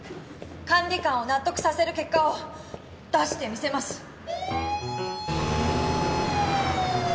管理官を納得させる結果を出してみせます。